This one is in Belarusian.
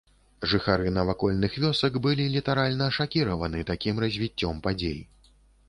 Жыхары навакольных вёсак былі літаральна шакіраваны такім развіццём падзей.